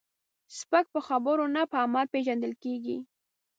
سپک په خبرو نه، په عمل پیژندل کېږي.